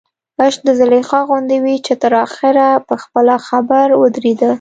عشق د زلیخا غوندې وي چې تر اخره په خپله خبر ودرېده.